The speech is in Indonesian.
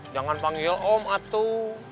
jangan panggil om atuh